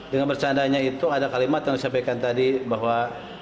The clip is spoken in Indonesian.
dengan bercandanya itu ada kalimat yang disampaikan tadi bahwa